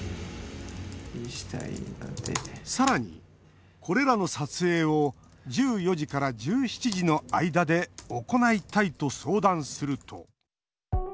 さらに、これらの撮影を１４時から１７時の間で行いたいと相談すると。